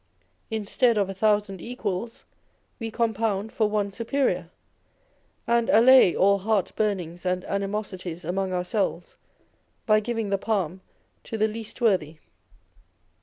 Instead of a thousand equals, we compound for one superior, and allay all heartburnings and ani mosities among ourselves, by giving the palm to the least worthy.